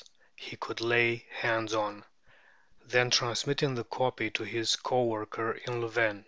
he could lay hands on; then transmitting the copy to his co worker in Louvain.